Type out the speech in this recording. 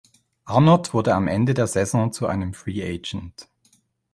Arnott wurde am Ende der Saison zu einem Free-Agent.